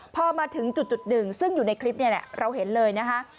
พอมาถึงจุดหนึ่งซึ่งอยู่ในคลิปนี่แหละเราเห็นเลยนะคะ